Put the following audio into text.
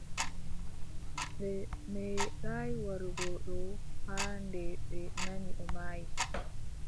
Ɓe meeɗaay warugo ɗo haa nde ɓe nani o maayi.